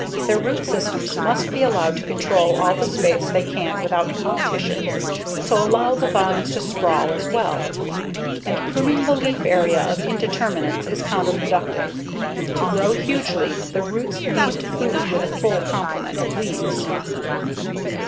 Their root systems must be allowed to control all the space they can without competition, so allow the vines to sprawl as well. And pruning the leaf area of indeterminates is counterproductive: to grow hugely, the roots need food from a full complement of leaves.